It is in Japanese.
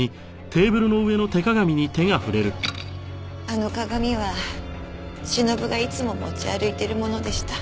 あの鏡はしのぶがいつも持ち歩いているものでした。